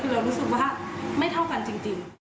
คือเรารู้สึกว่าไม่เท่ากันจริง